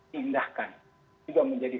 tindakan juga menjadi